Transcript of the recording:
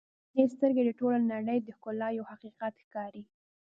• شنې سترګې د ټولې نړۍ د ښکلا یوه حقیقت ښکاري.